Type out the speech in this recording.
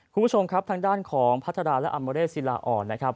คุณผู้ชมครับทางด้านของพระธรรมและอำนวเรศศิลาอรนะครับ